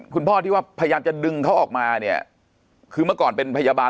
คุณพ่อที่ว่าพยายามจะดึงเขาออกมาเนี่ยคือเมื่อก่อนเป็นพยาบาล